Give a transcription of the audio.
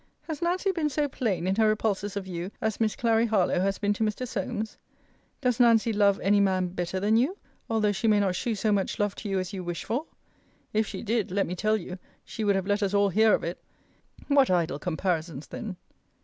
Has Nancy been so plain in her repulses of you as Miss Clary Harlowe has been to Mr. Solmes? Does Nancy love any man better than you, although she may not shew so much love to you as you wish for? If she did, let me tell you, she would have let us all hear of it. What idle comparisons then!